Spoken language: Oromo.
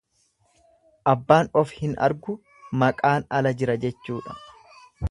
Abbaan of hin argu, maqaan ala jira jechuudha.